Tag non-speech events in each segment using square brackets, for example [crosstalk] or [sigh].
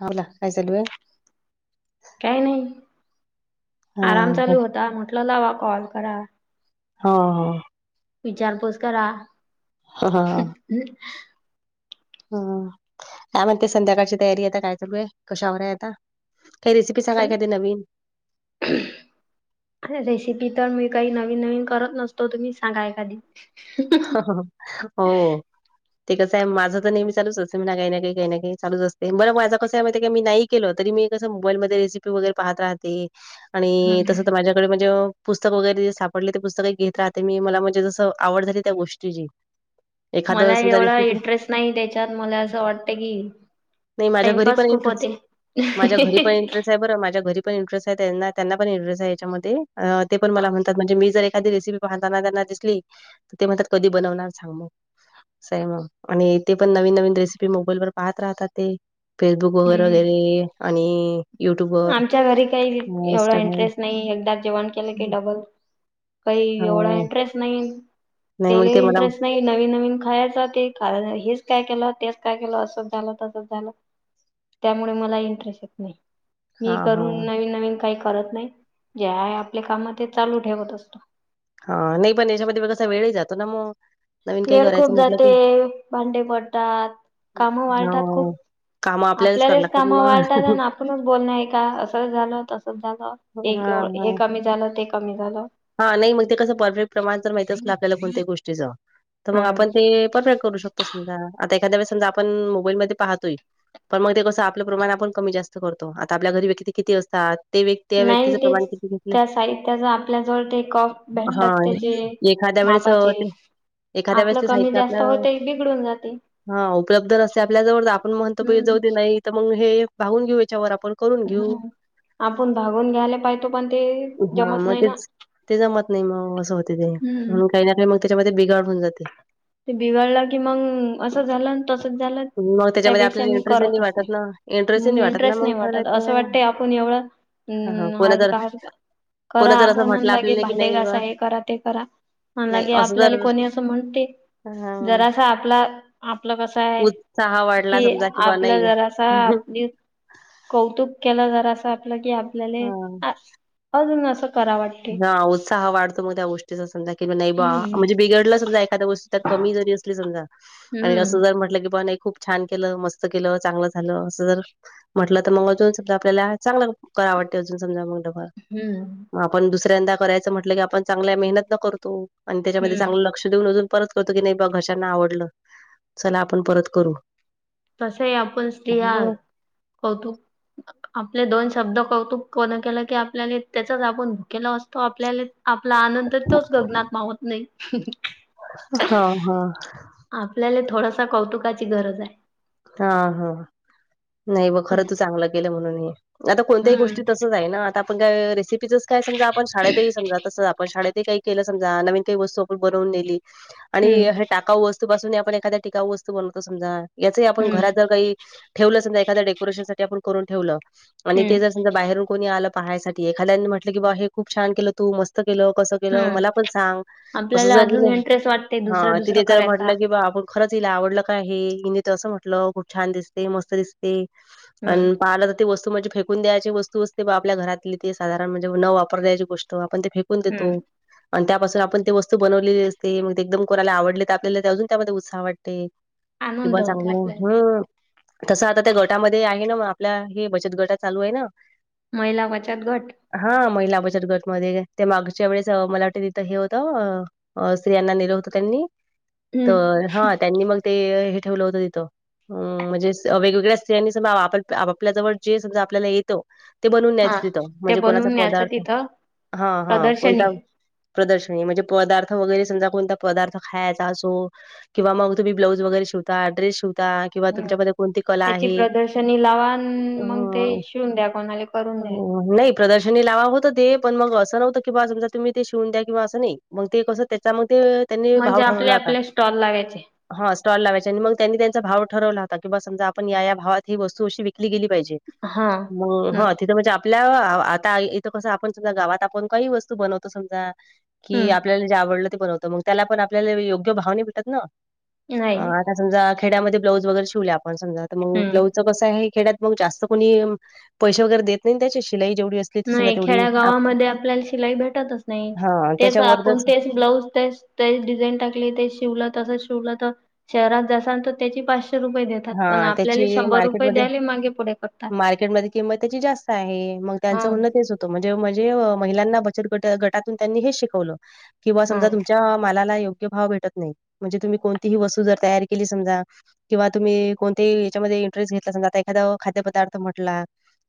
हा बोला काय चालू आहे. काही नाही हा आराम चालू होता म्हटलं लावा कॉल करा. हा हा. विचारपूस करा. हा हा हम ह म्हणते संध्याकाळची तयारी आहेता काय चालू आहे कशावर आहे आता काही रेसिपी सांगा एखाद नवीन ह. अरे रेसिपी तर मी काही नवीन नवीन करत नसतो तुम्ही सांगा एखादी ह ह ह हो. [unintelligible] ते कसं आहे माझं तर नेहमी चालूच असते मीना काही ना काही काही ना काही चालूच असते बरं माझं कस आहे मातीय का मी नाही. केलं तरी मी कसं मोबाईल म रेसिपी वगैरे पाहत राहते आणि हम्म तस तर माझ्याकडे म्हणजे पुस्तक वगैरे जे सापडले ते पुस्तके घेत राहते मी मला म्हणजे जसं आवड झाली त्या गोष्टीची एखादं मला समजा एवढा रेसिपी इंटरेस्ट नाही त्याच्यात मला असं वाटतं की माझ्या घरी टाइमपास पण खूप इंटरेस् होते माझ्या घरी पण इंटरेस्ट आहे बर माझ्या घरी पण इंटरेच्या आहे त्यांना पण इंटरेस्ट आहे याच्यामध्ये अ ते पण मला म्हणतात म्हणजे मी जर एखादी रेसिपी पाहताना त्यांना दिसली तर ते म्हणतात कधी बनवणार सांग मग आहे मग आणि तेे पण नवीन नवीन रेसिपी मोबाईल वर पाहत राहतात ते फेसबुक वगैरे हम्म वगैरे आणि युट्युब वर आमच्या घरी काही एवढा इंस्टाग्राम इंटरेस्ट नाही एकदा जेवण केलं की डबल काही एवढा हो. इंटरेस्ट नाही नाही मग तेले ते मला इंटरेस्ट नाही. नवीन नवीन खायचं ते हेच काय केलं तेच काय केलं असंच झालं तसंच झालं. त्यामुळे मला इंटरेस्ट येत नाही मी हां, करून हां, नवीन नवीन काही करत नाही. जे आहे आपले काम ते चालू ठेवत असतो. हा नाही पण याच्यामध्ये बगासा वेळही जातो ना मग नवीन काही वेळ खूप करायचं म्हटलं जाते की भांडे पडतात काम वाळतात खूप हां, कामं करावी आपल्यालाच लागतात काम वाळतात मग. आणि आपणच बोलण आहे का असं झालं तसंच झालं. एक हां, हे हां. कमी झालं ते कमी झालं. हा नाही मग ते कसं परफेक्ट प्रमाण तर माहितच असल कोणत्या गोष्टीचं तर मग आपण ते परफेक्ट करू शकतो समजा आता एखाद्या वेळेस समजा आपण मोबाईलमध्ये पाहतोय. पण मग ते कसं आपलं प्रमाण आपण कमी जास्त करतो आता आपल्या घरी व्यक्ती ते किती असतात ते व्यक्ती त्या नाही व्यक्तीचं ते प्रमाण किती घेतलं त्या साहित्याचा आपल्या जवळ टेक ऑफ हा भेटतात त्याचे एखाद्या वेळेस अ, मापाचे ते एखाद्या वेळेस आपलं ते कमी साहित्य जास्त आपलं होत बिघडून जाते हा उपलब्ध नसते आपल्या जवळ आपण म्हणतोे हम्म जाऊ ते नाही तर मग हे भागून घेऊ याच्यावर आपण करून घेऊ हम्म आपण भागून घ्यायला पाहितो पण ते हा जमत मग नाही ना तेच ते जमत नाही मग असं होते ते हम्म. म्हणून काही ना काही मग त्याच्यामध्ये बिघाड होऊन जाते ते बिघडलं की मग असं झालं तसच झालं मग त्याच्यामध्ये त्यापेक्षा आपल्याला मी इंटरेस्टही करतच वाटत नाही ना, इंटरेस्टही मग वाटत ना इंटरेस्ट मग नाही परत वाटत ते असं वाटत आपण एवढं हां, हां. कोणा जर अं. करा कोणा जर असं आपण म्हटलं आणि आपल्याला की भांडी नाही बुवा घासा हे करा ते करा म्ह नाही के असं जर आपल्याला कोणी असं म्हणते हां, जरासा आपला आपलं कसं आहे उत्साह वाढला कि समजा की बुवा आपलं नाही जरासा न्यू कौतुक केलं जरा असं आपलं की आपल्याला अजून असं करावं वाटत हा उत्साह वाढतो मग त्या गोष्टीचा समजा की नाही बा हम्म. म्हणजे बिघडलं समजा एखाद्या गोष्ट कमी जरी असली समजा आणि अस हम्म जर म्हटलं की खूप छान केलं मस्त केलं चांगलं झालं असं जर म्हटलं तर मग अजून समजा आपल्याला चांगलं करावं वाटत अजून समजा मगलं हम्म आपण दुसऱ्यांदा करायचं म्हटलं की आपण चांगल्या मेहनत न करतो आणि त्याच्यामध्ये हम्म चांगलं लक्ष ऊ अजून परत करतो की नाही बा घशांना आवडलं चला आपण परत करू तसं आहे आपण स्त्रिया हा कौतुक आपले दोन शब्द कौतुक कोण केलं की आपल्याला त्याचाच आपण भुकेला असतो आपल्याला आपला आनंद तोच गगनात मावत नाही हा हा आपल्याला थोडासा कौतुकाची गरज आहे हा हा नाही ब हम्म खरं तू चांगलं केलं म्हणून हे आता कोणत्याही गोष्टी तसच आहे ना आता आपण काय रेसिपी काय समजा आपण शाळेतही समजा तसं आपण शाळेतही का के समजा नवीन काही वस्तू आपण बनवून नेली आणि हम्म हे टाकावू वस्तू वस्तू पासून आपण एखाद्या टिकावू वस्तू बनवतो समजा याच आपण हम्म घरात जर काही ठेवलं समजा एखाद्या डेकोरेशनसाठी आपण करून ठेवलं आणि ते हम्म जर समजा बाहेरून कोणी आलं पाहायसाठी एखाद्यानी म्हटलं की बा हे खूप छान केलं तू मस्त केलं कसं हम्म मला पण सांग अस आपल्याला जर अजून त इंटरेस्ट वाटते दुसरं ह दुसरं तिने जर करायचा. म्हटलं की बा आप खरंच हिला आवडलं काय आहे हिने तर असं म्हटलं खूप छान दिसते मस्त दिसते हम्म पण पालक ते वस्तू म्हणजे फेकून द्यायची वस्तु असते आपल्या घरातली ते साधारण म्हणजे न वापर द्यायची गोष्ट आपण फे फेकून हम्म देतो आणि त्यापासून आपण ते वस्तू बनवलेली असते मग एकदम कोणाला आवडले तर आपल्याला तर अजून त्यामध्ये उत्साह वाटते आनंद किवा होते चांगलं आपल्याला हम्म. तसं आता त्या गटामध्ये आहे ना मला आपल्या हे बचत गटात चालू आहे ना महिला बचत गट हा महिला बचत गट मध्ये ते मागच्या वेळेस मला वाटतं तिथं हे होतं अ स्त्रियांना नेलं होतं त्यांनी हम्म तर हा त्यांनी मग ते हे ठेवलं होतं तिथं ह म्हणजे वेगवेगळ्या स्त्रियांनी सम आप आपपल्या जवळ जे समजा आपल्याला येतो ते बनवून हा न्यायच तिथं ते म्हणजे कोणाचा बनवून न्यायचं पदार्थ तिथं हा हा प्रदर्शनी. कोणता प्रदर्शनी म्हणजे पदार्थ वगैरे समजा कोणता पदार्थ खायचा असो किंवा मग तुम्ही् ब्लाऊज वगैरे शिवता ड्रेस शिवता किंवा हम् तुमच्यामध्ये कोणती कला त्याची आहे प्रदर्शनी लावान अ मग ते शिवून द्या कोणाला करून द्या नाही प्रदर्शनी लावा होतं ते पण मग असं नवतं किंवा समजा तुम्ही ते शिवून द्या किंवा असं नाही मग ते कसं त्याच्यामध्ये म्हणजे आपले आपले स्टॉल लावायचे. हा स्टॉल लावायचे आणि मग त्यांनी त्यांचा भाव ठरवला हो की बा समजा आपण या भावात ही वस्तू अशी विकली गेली पाहिजे. हा हम्म हा तिथं म्हणजे आपल आपल्या आता इथं कसं आपण समजा गावात आपण काही वस्तू बनवतो समजा कि हम्म आपल्याला जे आवडलं ते बनवतो मग त्याला पण आपल्याला योग्य भाव नाही भेटत ना नाही समजा खेड्यामध्ये् ब्लाउज वगैर शीवले आपण समजा तर मग हम्म ब्लाऊज कस आहे खेड्यात मग जास्त कोणी पैसे वगैरे देत नाही त्याची शिलाई जेवढी अस नाही खेड्या गावामध्ये आपल्याला शिलाई भेटतच नाही हा तेच त्याच्यावर आपण जर तेच ब्लाऊज तेच ते डिझाईन टाकली ते शिवलं तसंच शिवलं तर शहरात जासाल तर त्याची पाचशे रुपये देत हा पण आपल्याला त्याची शंभर रुपये द्यायला मागे पुढे करतात. कि त्याची किमत जास्त आहेग हा त्यांचं म्हण म्हणजे म्हणजे महिलांना बचत गट गटातून त्यांनी हे शिकवलं. किंवा हा समजा तुमच्या मालाला योग्य भाव भेटत नाही म्हणजे तुम्ही कोणतीही वस्तू जर तयार केली समजा. किंवा तुम्ही कोणतेही याच्यामध्ये इंटरेस्ट घेतला अस आता एखादा खाद्यपदार्थ म्हटला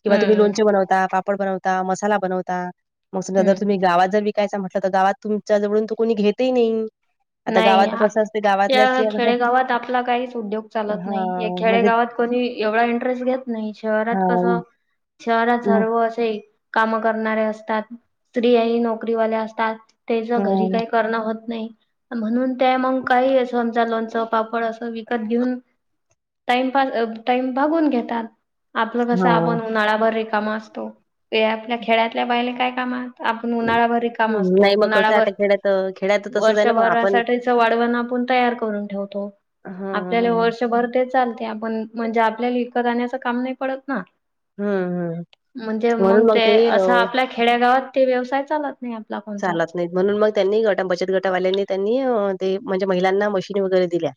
किंवा तुम्ही हम्म लोणचे बनवता पापड बनवता मसाला बनवता मग समजा जर हम्म तुम्ही गावात जर विक कायच म्हटलं तर गावात तुमच्या जवळून तो कोणी घेतही नाही आता नाही गावात कसं असते गावातल्या स्त्रिया कसं खेडेगावात आपला काहीच उद्योग चालत नाही या हां म्हणजे खेडेगावात कोणी एवढा इंटरेस्ट घेत नाही शहरात कसं हां. शहरात मग सर्व असे काम करणारे असतात स्त्री ह नोकरीवाले असतात. त्याच्या अ, घरी काही करण होत नाही म्हणून त्या मग काही असमज लोणचं पापड असं विक त घेऊन टाइमपास टाइम भागून घेतात. आपलं कसं हां. आपण उन्हाळाभर रिकामं असतो आपल्या खेड्यातल्या बाहिले काय काम आहे आपण उन्हाळाभर रिकामं हं, असतो नाही मग कसं आहे उन्हाळाभर आता खेड्यात अ, खेड्यात तर तसंच वर्ष आहे ना मग आपण वर्षभरासाठी वाळवण आपण तयार करून ठेवतो हां, हां, हां. भर ते चालते आपण म्हणजे आपल्याला विकत आणण्याच काम नाही पडत ना हं, हं. म्हणजे मग ते असं आपल्या खेड्यागावात ते व्यवसाय चालत नाही. चालत कोणताच. नाही. म्हणून मग त्यांनी गट बचत गटावाल्यांनी त्यांनी ते म्हणजे महिलांना मशीन वगैरे दिल्या.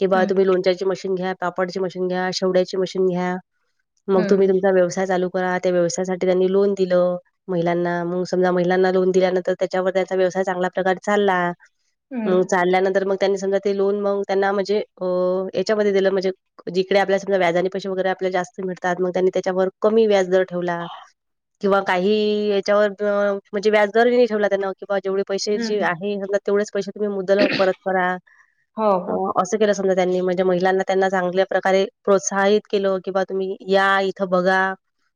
किं हम्म तुम्ही लोणच्याची ची मशीन घ्या पापडची मशीन घ्या शेवड्याची मशीन घ्या मग हम्म तम्ही तुमचा व्यसाय चालू त्या व्यवसायासाठी लोन दिल महिलांना मग समजा महिलांना लोन दिल्यानंतर त्याच्यावर त्याचा व्यवसाय चांगल्या प्रकारे चालला हम्म चालल्यानंतर मग त्यांनी समजा ते लोन मग त्यांना म्हणजे अ याच्यामध्ये दिलं म्हणजे जिकडे आपल्या समजा व्याजाने पैसे वगैरे आपल्याला जास्त मिळतात मग त्यांनी त्याच्यावर कमी व्याज दर ठेवला. किंवा काही याच्यावर म्हणजे व्याजदर नाही ठेवला त्यांना किंवा जेवढे पैसे जे हम्म आहे तेवढेच पैसे तुम्ही मुदल परत करा हो हो. असं केलं समजा त्यांनी म्हणजे महिलांना त्यांना चांगल्या प्रकारे प्रोत्साहित केलं कि बा तुम्ही या. बघा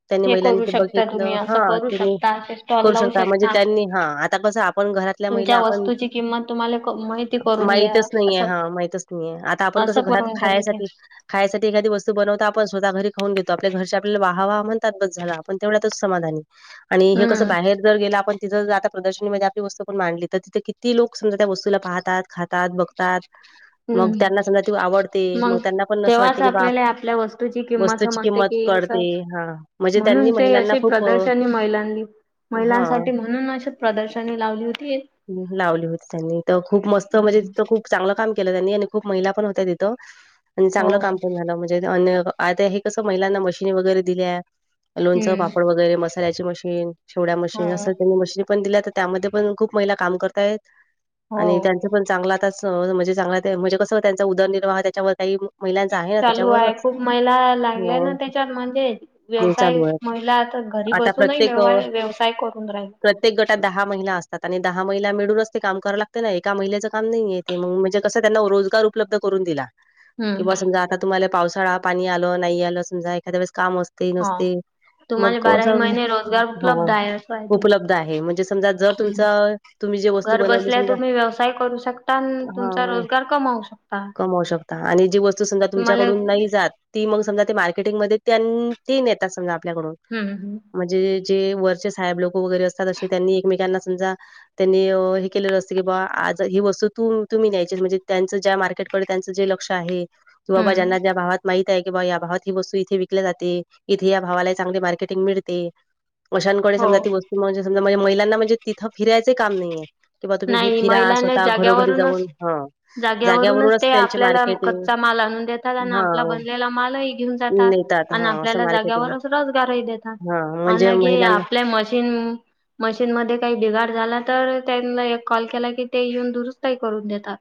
त्यांनी हे महिलांनी करू ते शकता तुम्ही बघितलं असं हा करू तुम्ही शकता असे स्टॉल करू लावू शकता म्हणजे. त्यांनी हा आता कस आपण घरातल्या महिला तुमच्या आपण वस्तूची किंमत तुम्हाला क माहिती करून घ्या माहितच नाहीे असं हा माह नाही आता आपण कस असं घरात करून घ्या तिथे. खायसाठी खायसाठी एखादी वस्त बनवता आपण स्वः घरी खऊन घेतो आपल्या घरच्या आपल्या वाह वाह म्हणतात बस झाला. पण तेवढ्यातच समाधा आणि हे कसं हम्म बाहेर जर गेलं आपण. तिथं जर आता प्रदर्शनीमध्ये आपली वस्तू आपण मांडली तर तिथे किती लोक समजा त्या वस्तूला पाहतात खातात बघ तात. हम्म मग त्यांना पण असं तेव्हाच वाटते की बा आपल्याला आपल्या वस्तूची किंमत वस्तूची समजते किंमत की असं कळते. हां म्हणजे म्हणून त्यांनी ते महिलांना असशी खूप प्रदर्शन ह महिलांनी अ, हां. महिलांसाठी म्हणून अशी प्रदर्शनी लावली होती. लावली होती त्यांनी तर खूप मस्त म्हणजे हम्म तिथं खूप चांगलं काम केलं त्यांनी आणि खूप महिला पण होत्या तिथं आणि चांगलं हो. काम पण झालं म्ह. कस मलांना मशीनी वगैरे दिल्या लोणच हम्म. पापड वगैरे म. ची मशीन शेवड्या मशीन अस हा. त्यांनी मशीन पण दिल्या तर त्यामध्ये पण. खूप महिला काम करताय हो आणि त्यां. पण चांगला आ म्हणजे चांगला म्हज कसं त्यांचा उदरनिर्वाह त्याच्यावर काही. महिलांचा आहे ना चालू आहे त्याच्यावरच खूप महिला लागल्या ना हो त्याच्यात म्हणजे व्यवसाय. चालू आहे महिला आता घरी आता बसूनही प्रत्येक अ ववय व्यवसाय करून राहील. आतानी दहा महिला मिळूनच ते काम कराव लागते ना एका महिलेचं काम नाहीय आहे ते मग म्हणजे कसं त्यांना रोजगार उपलब्ध करून दिला. किंवा हम्म. समजा आता तुम्हाला पावसाळा पाणी आलं नाही आलं समजा एखाद्या वळेस काम असत. न हा नसते. तुम्हाला मग बाराही महिने रोजगार उपलब्ध आहे असं आहे ते. उपलब्ध आहे म्हणजे समजा जर तुम. हम्म. तुम्ही जे वस्तू घर बनवली बसल्या समजा तुम्ही व्यवसाय करू शकता आणि तुमचा हा. रोजगार कमावू शकता. कमवू शकता आणि जी वस्तू समधा तुम्हाला तुमच्याकडून नाही हम्म जात. ती मग समजा ते मार्केटिंगमध्येध्ये ती न येतात समजा आपल्याकडून. हम् हम. म्हणजे जे वरचे साहेब लोक वगैरे असतात असे त्यांनी एकमेकांना समजा. त्यांनी हे केलेलं असतं की बाबा आज ही वस्त तू तुम्ही न्यायची म्हणजे त्यांचं ज्या मार्केट. त्यांच जे लक्ष आहे क बाबा हम्म ज्यांना भावात. माहित आहे की बा या भावात ही वस्तू इथे विकल्या जाते इथे या भावाला चांगली मार्केटिंग मिळते. अशांकडे हो. समजा ती वस्त म्हजे समजणजे महिलांना म्हणजे तिथं फिरायच काम नाहीे. किंवा तुम्ही हे नाही फिरा महिलांनी स्वतः घरोघरी जाग्यावरूनच जाऊन ह. जाग्यावरूनच ते आपल्याला कच्चा माल आणून देतात आणि आपला हां, बनलेला मालही घेऊन जातात. नेतात. आणि हां, असं आपल्याला मार्केटिंग जाग्यावरच रोजगारही देतात हां, म्हणजे आणिगे महिलांना आपल्या मशीन. मशीनमध्येध्ये काही बिगाड झाला तर त्यांना एक कॉल केला की ते येऊन दुरुस्तही करून देतात.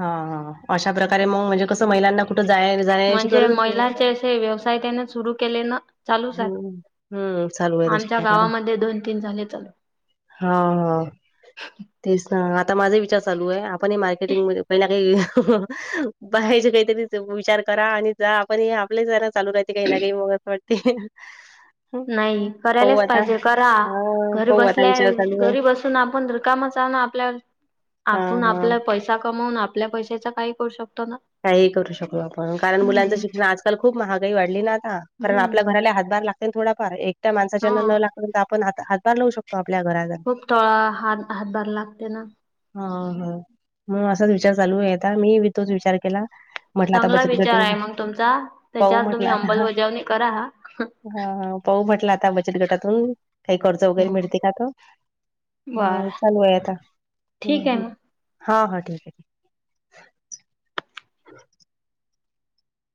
हा हा अशा प्रकारे मग म्हणजे कसं महिलांना कुठं जाय जाण्याची म्हणजे गरज असते. महिलांचे व्यवसाय त्याने सुरू केले ना. चालू सर हम्म हम्म चालू आहे तशा आमच्या प्रकारे गावामध्ये दोन तीन झाले चालू. हा हा. तेच ना आता माझा विचार चालू आहे आपणही मार्केटिंग मध्ये काही ना काही. पाहायचे काहीतरी विचार करा आणि जा आपण हे आपलेच जरा चालू राहते काही ना काही मग असं वाटते. नाही पाहू करायलाच आता पाहिजे करा. हा घरी पाहू आता बसल्या विचार चालू आहे घरी बसून आपण र कामच ना आपल्या हा आपण हा आपल्या पैसा. कमवून आपल्या पैशाचा काही करू शकतो ना. काही करू शकलो आपण कारण मुलांचं हम्म. शिक्षण आजकाल खूप महागाई वाढली ना आता कारण हम्म आपल्या घराला हातभार लागत. थोडाफार एकट्या हा माणसाच्याना न लाग आपण हात हातभार लावू शकतो आपल्या घरात. खूप तोळा ह हातभार लागते ना. हा हो मग असाच विचार चालू आहे आता मीी तोच विचार केला. म्हटलं आता चांगला बचत गट विचार आहे मग तुमचा पाहू त्याच्यावर तुम्ही म्हटलं आता अंमलबजावणी करा. हा पाऊ म्हटलं आता बचत गटातून काही कर्ज वगैरे हम्म. मिळते का त. हम् बरं चालू आहे आता ठीक आहे मग. हा हा ठीक आहे ठीक. ह.